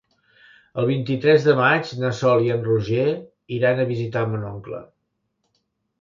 El vint-i-tres de maig na Sol i en Roger iran a visitar mon oncle.